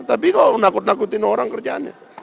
tapi kok nakut nakutin orang kerjaannya